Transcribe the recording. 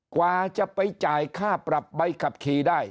กว่าจะไปจ่ายค่าปรับใบขับขี่ได้